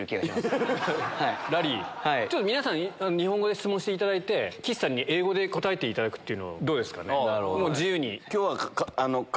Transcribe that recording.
皆さん日本語で質問していただいて岸さんに英語で答えていただくのはどうですか。